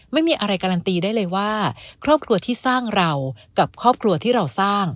ไม่มีอะไรการันตีได้เลยว่าครอบครัวที่สร้างเรากับครอบครัวที่เราสร้าง